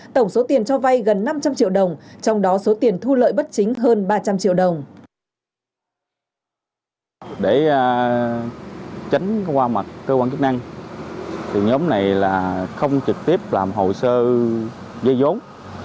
tổng số tiền cho vay gần năm trăm linh triệu đồng trong đó số tiền thu lợi bất chính hơn ba trăm linh triệu đồng